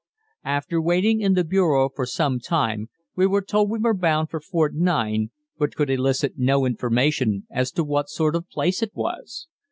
After waiting in the bureau for some time we were told we were bound for Fort 9, but could elicit no information as to what sort of place it was.